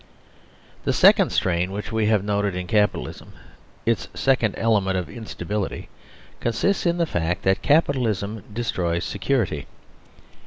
The second strain which we have noted in Capi talism, its second element of instability, consists in the fact that Capitalism destroys security.